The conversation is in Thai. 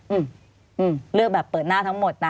อืมเลือกแบบเปิดหน้าทั้งหมดนะ